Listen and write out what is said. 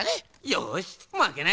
よしまけないぞ！